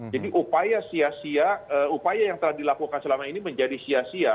jadi upaya siasya upaya yang telah dilakukan selama ini menjadi siasya